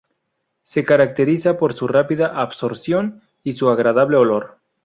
Se caracteriza por su rápida absorción y su agradable olor.